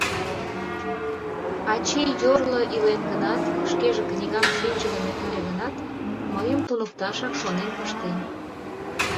Ачий йорло илен гынат, шкеже книгам шинчыдыме ыле гынат, мыйым туныкташак шонен пыштен.